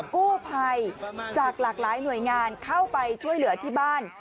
กู้ภัยจากหลากหลายหน่วยงานเข้าไปช่วยเหลือที่บ้าน